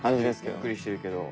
ゆっくりしてるけど。